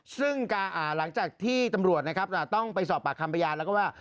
ซึ่งหลังจากที่ตำรวจนะครับต้องไปสอบปากคำพยานแล้วก็ว่า